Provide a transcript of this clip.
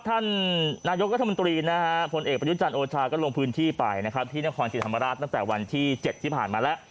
ท่านนายกรัฐมนตรีนะฮะผลเอกประยุจันทร์โอชาก็ลงพื้นที่ไปนะครับที่นครศรีธรรมราชตั้งแต่วันที่๗ที่ผ่านมาแล้ว